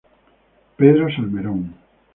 Pedro Salmerón.